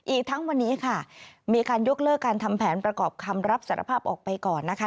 อีกทั้งวันนี้ค่ะมีการยกเลิกการทำแผนประกอบคำรับสารภาพออกไปก่อนนะคะ